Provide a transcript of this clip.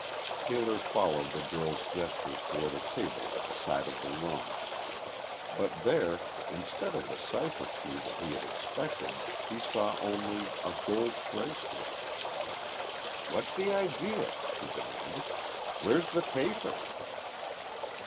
Taylor followed the girl's gesture toward a table at the side of the room. But there, instead of the cipher key that he had expected, he saw only a gold bracelet! "What's the idea?" he demanded. "Where's the paper?"